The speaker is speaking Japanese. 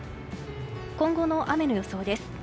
今後の雨の予想です。